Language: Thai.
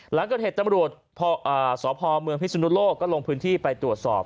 หลังเกิดเหตุตำรวจสพเมืองพิศนุโลกก็ลงพื้นที่ไปตรวจสอบ